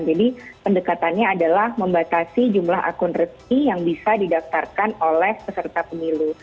jadi pendekatannya adalah membatasi jumlah akun resmi yang bisa didaftarkan oleh peserta pemilu